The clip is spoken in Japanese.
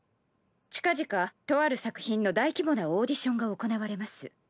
近々とある作品の大規模なオーディションが行われます。